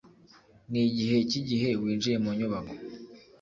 Nigihe cyigihe winjiye mu nyubako